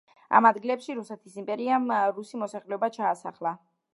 ამ ადგილებში რუსეთის იმპერიამ რუსი მოსახლეობა ჩაასახლა.